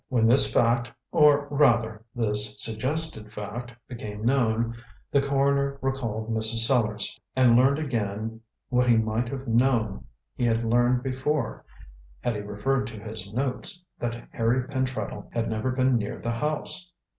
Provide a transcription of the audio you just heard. When this fact, or, rather, this suggested fact, became known, the coroner recalled Mrs. Sellars, and learned again what he might have known he had learned before, had he referred to his notes, that Harry Pentreddle had never been near the house.